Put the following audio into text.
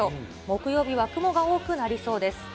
木曜日は雲が多くなりそうです。